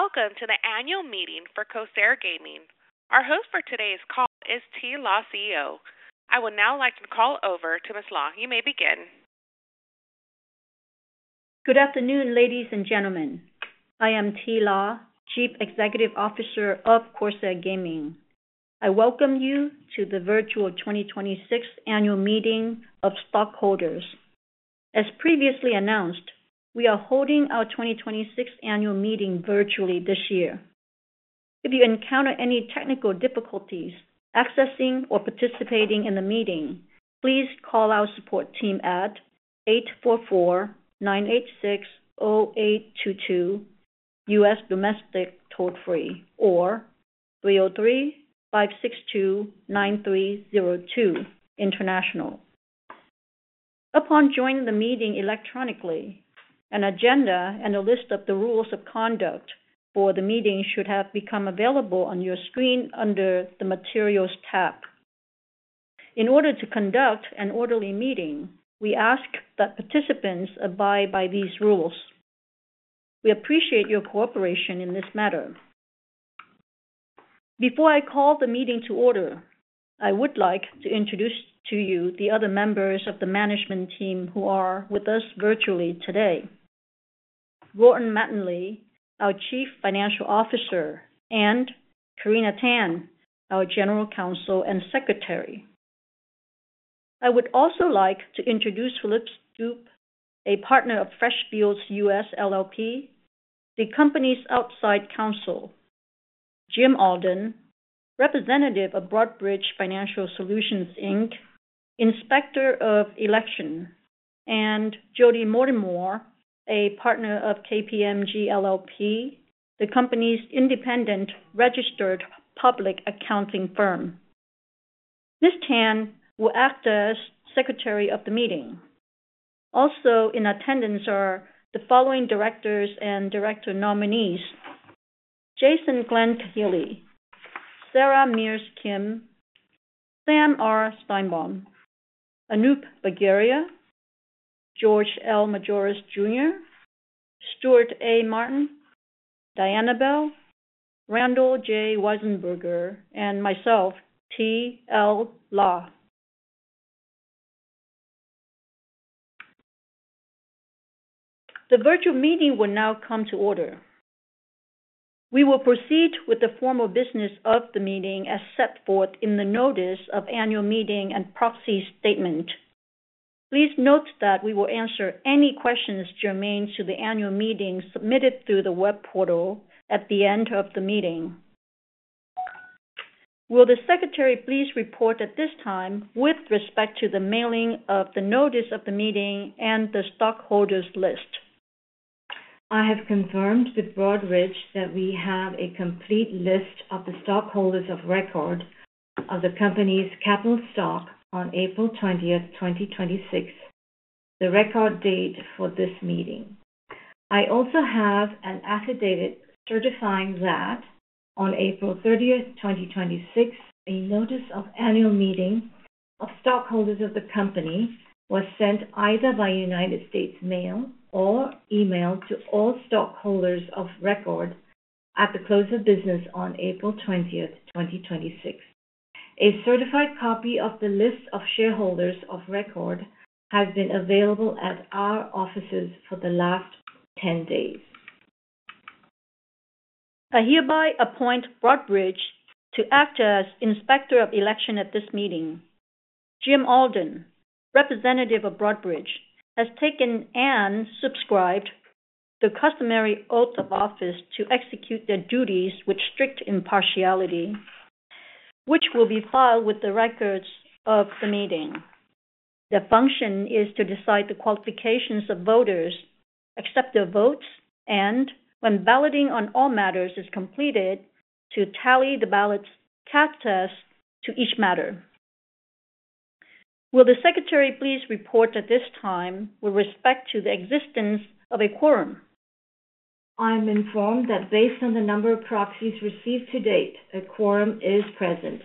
Welcome to the Annual Meeting for Corsair Gaming. Our host for today's call is Thi La, CEO. I would now like to call over to Ms. La. You may begin. Good afternoon, ladies and gentlemen. I am Thi La, Chief Executive Officer of Corsair Gaming. I welcome you to the virtual 2026 Annual Meeting of Stockholders. As previously announced, we are holding our 2026 annual meeting virtually this year. If you encounter any technical difficulties accessing or participating in the meeting, please call our support team at 844-986-0822, U.S. domestic toll-free or 303-562-9302, international. Upon joining the meeting electronically, an agenda and a list of the rules of conduct for the meeting should have become available on your screen under the Materials tab. In order to conduct an orderly meeting, we ask that participants abide by these rules. We appreciate your cooperation in this matter. Before I call the meeting to order, I would like to introduce to you the other members of the management team who are with us virtually today. Gordon Mattingly, our Chief Financial Officer, and Carina Tan, our General Counsel and Secretary. I would also like to introduce Phillip Stoup, a Partner of Freshfields US LLP, the company's Outside Counsel. Jim Alden, representative of Broadridge Financial Solutions Inc, Inspector of Election, and Jody Mortimore, a partner of KPMG LLP, the company's independent registered public accounting firm. Ms. Tan will act as Secretary of the meeting. Also in attendance are the following Directors and Director nominees: Jason Glen Cahilly, Sarah Mears Kim, Sam R. Szteinbaum, Anup Bagaria, George L. Majoros, Jr., Stuart A. Martin, Diana Bell, Randall J. Weisenburger, and myself, Thi L. La. The virtual meeting will now come to order. We will proceed with the formal business of the meeting as set forth in the notice of annual meeting and proxy statement. Please note that we will answer any questions germane to the annual meeting submitted through the web portal at the end of the meeting. Will the secretary please report at this time with respect to the mailing of the notice of the meeting and the stockholders list? I have confirmed with Broadridge that we have a complete list of the stockholders of record of the company's capital stock on April 20th, 2026, the record date for this meeting. I also have an affidavit certifying that on April 30th, 2026, a notice of Annual Meeting of Stockholders of the company was sent either by United States mail or email to all stockholders of record at the close of business on April 20th, 2026. A certified copy of the list of shareholders of record has been available at our offices for the last 10 days. I hereby appoint Broadridge to act as Inspector of Election at this meeting. Jim Alden, representative of Broadridge, has taken and subscribed the customary oaths of office to execute their duties with strict impartiality, which will be filed with the records of the meeting. Their function is to decide the qualifications of voters, accept their votes, and when balloting on all matters is completed, to tally the ballots cast as to each matter. Will the Secretary please report at this time with respect to the existence of a quorum? I'm informed that based on the number of proxies received to date, a quorum is present,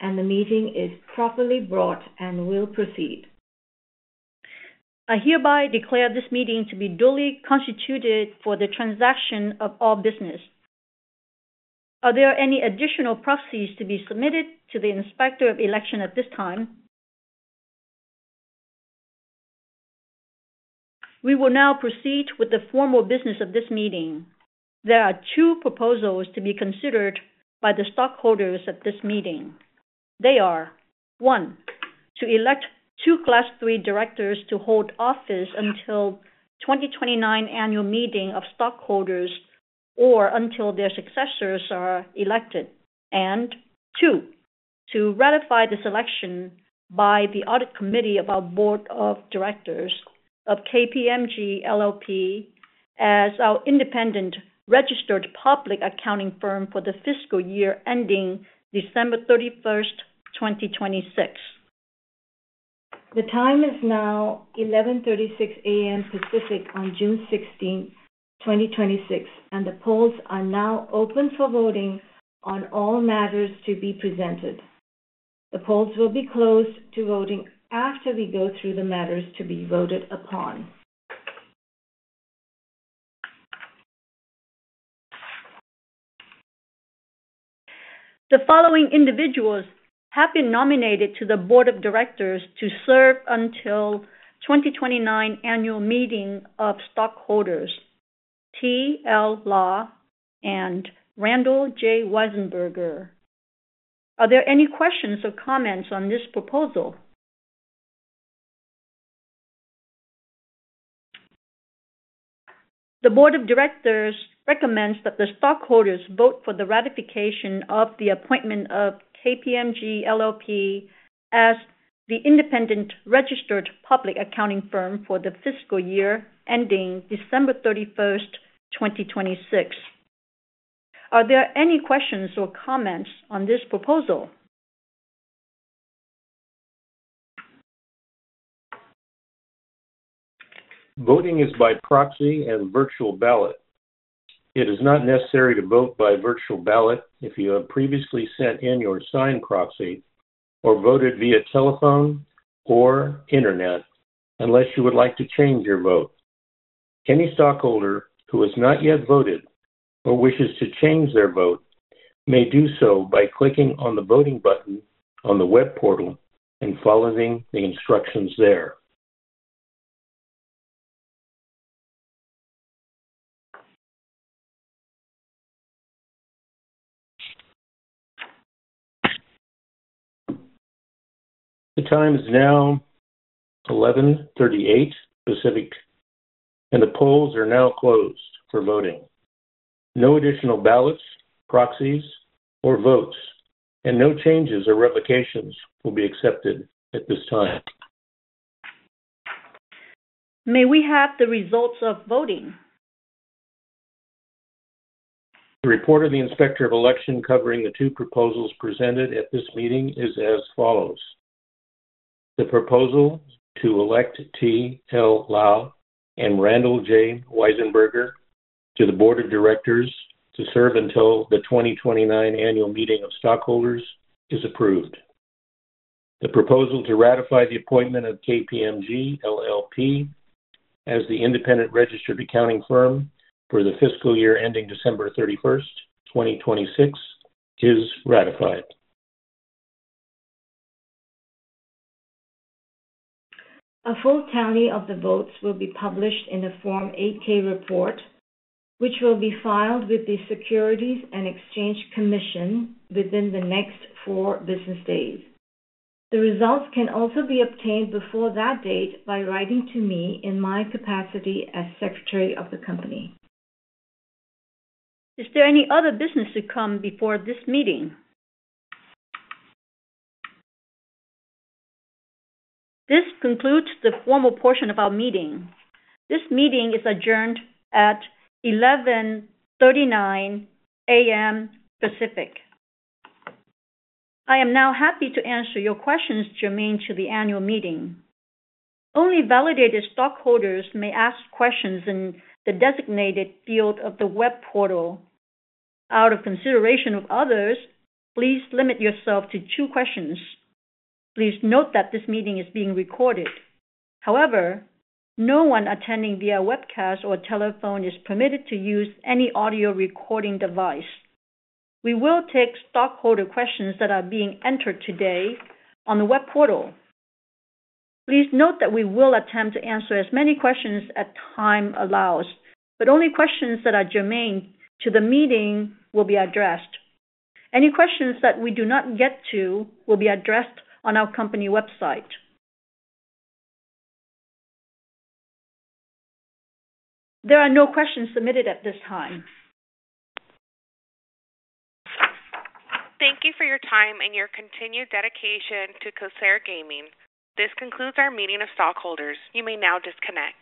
and the meeting is properly brought and will proceed. I hereby declare this meeting to be duly constituted for the transaction of all business. Are there any additional proxies to be submitted to the Inspector of Election at this time? We will now proceed with the formal business of this meeting. There are two proposals to be considered by the stockholders at this meeting. They are, one, to elect two Class III directors to hold office until 2029 annual meeting of stockholders or until their successors are elected. Two, to ratify the selection by the Audit Committee of our Board of Directors of KPMG LLP as our independent registered public accounting firm for the fiscal year ending December 31st, 2026. The time is now 11:36 A.M. Pacific on June 16th, 2026. The polls are now open for voting on all matters to be presented. The polls will be closed to voting after we go through the matters to be voted upon. The following individuals have been nominated to the Board of Directors to serve until 2029 annual meeting of stockholders, Thi L. La and Randall J. Weisenburger. Are there any questions or comments on this proposal? The Board of Directors recommends that the stockholders vote for the ratification of the appointment of KPMG LLP as the independent registered public accounting firm for the fiscal year ending December 31st, 2026. Are there any questions or comments on this proposal? Voting is by proxy and virtual ballot. It is not necessary to vote by virtual ballot if you have previously sent in your signed proxy or voted via telephone or internet, unless you would like to change your vote. Any stockholder who has not yet voted or wishes to change their vote may do so by clicking on the voting button on the web portal and following the instructions there. The time is now 11:38 A.M. Pacific. The polls are now closed for voting. No additional ballots, proxies, or votes, no changes or revocations will be accepted at this time. May we have the results of voting? The report of the Inspector of Election covering the two proposals presented at this meeting is as follows. The proposal to elect Thi L. La and Randall J. Weisenburger to the Board of Directors to serve until the 2029 annual meeting of stockholders is approved. The proposal to ratify the appointment of KPMG LLP as the independent registered accounting firm for the fiscal year ending December 31st, 2026, is ratified. A full count of the votes will be published in the Form 8-K report, which will be filed with the Securities and Exchange Commission within the next four business days. The results can also be obtained before that date by writing to me in my capacity as Secretary of the company. Is there any other business to come before this meeting? This concludes the formal portion of our meeting. This meeting is adjourned at 11:39 A.M. Pacific. I am now happy to answer your questions germane to the annual meeting. Only validated stockholders may ask questions in the designated field of the web portal. Out of consideration of others, please limit yourself to two questions. Please note that this meeting is being recorded. However, no one attending via webcast or telephone is permitted to use any audio recording device. We will take stockholder questions that are being entered today on the web portal. Please note that we will attempt to answer as many questions as time allows, but only questions that are germane to the meeting will be addressed. Any questions that we do not get to will be addressed on our company website. There are no questions submitted at this time. Thank you for your time and your continued dedication to Corsair Gaming. This concludes our meeting of stockholders. You may now disconnect.